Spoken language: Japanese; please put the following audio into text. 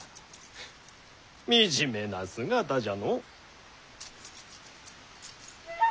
フ惨めな姿じゃのう。